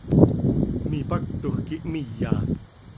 Mipactoj quih hmiya.